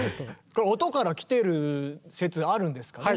これ音から来てる説あるんですかね？